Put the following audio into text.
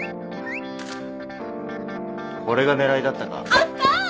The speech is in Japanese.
これが狙いだったか。